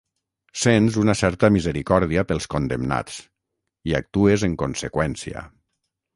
Sents una certa misericòrdia pels condemnats i actues en conseqüència.